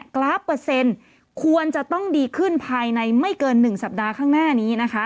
กราฟเปอร์เซ็นต์ควรจะต้องดีขึ้นภายในไม่เกิน๑สัปดาห์ข้างหน้านี้นะคะ